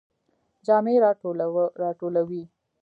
جامی را ټولوئ؟